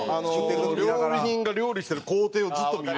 料理人が料理してる工程をずっと見れる。